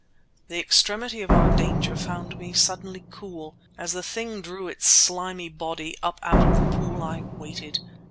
The extremity of our danger found me suddenly cool. As the thing drew its slimy body up out of the poor I waited.